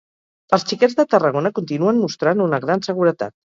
Els Xiquets de Tarragona continuen mostrant una gran seguretat